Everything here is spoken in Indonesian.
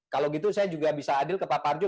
kalau gitu saya juga bisa adil ke pak parjo